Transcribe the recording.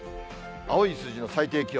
青い数字の最低気温。